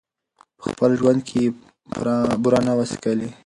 په خپل ژوند کي یې بوره نه وه څکلې